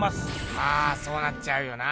まあそうなっちゃうよな。